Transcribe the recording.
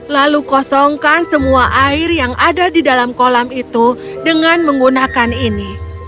lalu kosongkan semua air di dalam kolam dengan menggunakan ini